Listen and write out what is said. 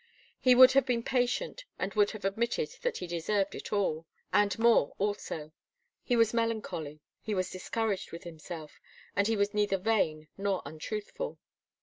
He would have been patient and would have admitted that he deserved it all, and more also. He was melancholy, he was discouraged with himself, and he was neither vain nor untruthful.